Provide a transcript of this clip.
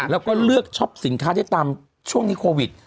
แล้วก็เลือกช็อปสินค้าได้ตามช่วงนี้โควิด